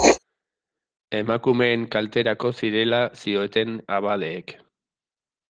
Emakumeen kalterako zirela zioten abadeek.